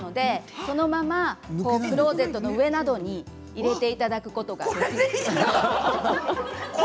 そのままクローゼットの上などに入れていただくことができます。